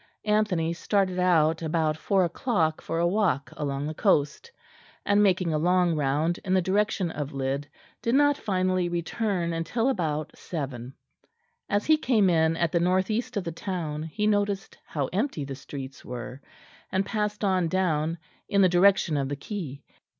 Anthony started out about four o'clock for a walk along the coast; and, making a long round in the direction of Lydd, did not finally return until about seven. As he came in at the north east of the town he noticed how empty the streets were, and passed on down in the direction of the quay.